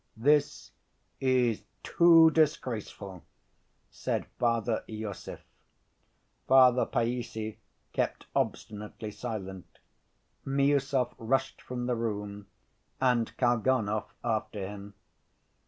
"This is too disgraceful!" said Father Iosif. Father Païssy kept obstinately silent. Miüsov rushed from the room, and Kalganov after him.